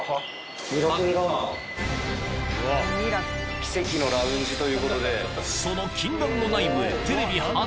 奇跡のラウンジということで。